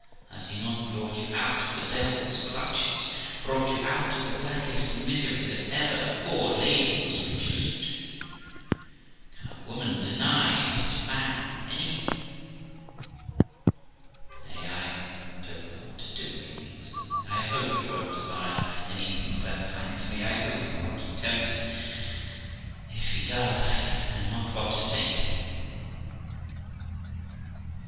Has he not brought you out of the devil's clutches, brought you out of the blackest misery that ever poor lady was reduced to ? Can a woman deny such a man anything ?' 'Nay, I don't know what to do, Amy', says I. 'I hope he won't desire anything of that kind of me ; I hope he won't attempt it If he does, I know not what to say to him.'